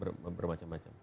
beragam ya bermacam macam